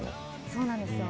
そうなんですよ。